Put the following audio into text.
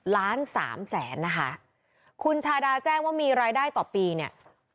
ล้านสามแสนนะคะคุณชาดาแจ้งว่ามีรายได้ต่อปีเนี่ย